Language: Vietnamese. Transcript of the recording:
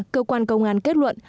cơ quan công an kết luận